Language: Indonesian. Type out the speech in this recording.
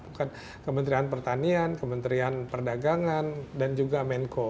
bukan kementerian pertanian kementerian perdagangan dan juga menko